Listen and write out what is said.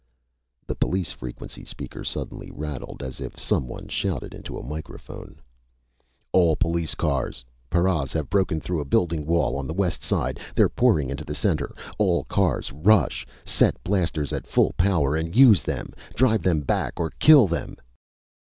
The police frequency speaker suddenly rattled, as if someone shouted into a microphone. "_All police cars! Paras have broken through a building wall on the west side! They're pouring into the Center! All cars rush! Set blasters at full power and use them! Drive them back or kill them!